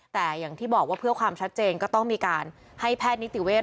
แต่อย่างที่บอกว่าเพื่อความชัดเจนก็ต้องมีการให้แพทย์นิติเวทย